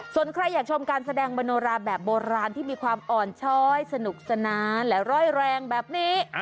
ส่วนใครอยากชมการแสดงมโนราแบบโบราณที่มีความอ่อนช้อยสนุกสนานและร่อยแรงแบบนี้